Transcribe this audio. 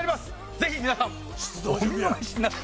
ぜひ皆さんお見逃しなく。